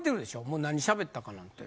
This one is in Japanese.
もう何しゃべったかなんて。